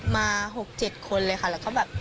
มา๖๗คนเลยค่ะแล้วก็แบบ